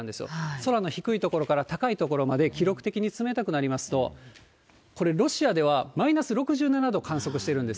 空の低い所から高い所まで記録的に冷たくなりますと、これ、ロシアではマイナス６７度観測しているんです。